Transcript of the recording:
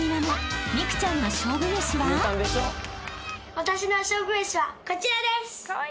私の勝負飯はこちらです！